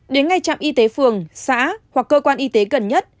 đến ngay trạm y tế phường xã hoặc cơ quan y tế gần nhất